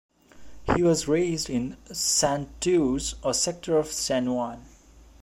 He was raised in Santurce, a sector of San Juan.